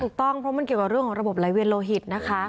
ถูกต้องเพราะมันเกี่ยวกับเรื่องของระบบไหลเวียนโลหิตนะคะ